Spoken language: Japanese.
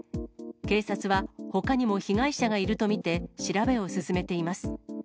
警察は、ほかにも被害者がいると見て、調べを進めています。